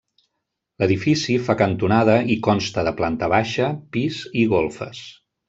L'edifici fa cantonada i consta de planta baixa, pis i golfes.